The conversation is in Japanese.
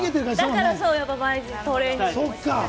だからトレーニングして。